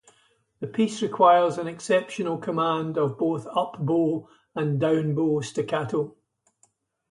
The piece requires an exceptional command of both upbow and downbow staccato.